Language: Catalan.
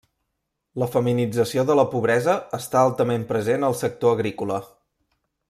La feminització de la pobresa està altament present al sector agrícola.